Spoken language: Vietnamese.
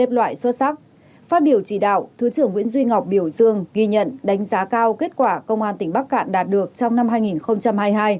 phát biểu chỉ đạo thứ trưởng nguyễn duy ngọc biểu dương ghi nhận đánh giá cao kết quả công an tỉnh bắc cạn đạt được trong năm hai nghìn hai mươi hai